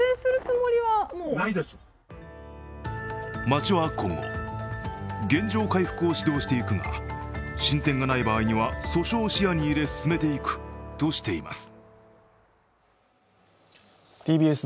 町は今後、原状回復を指導していくが、進展がない場合には訴訟を視野に進めていくとしています。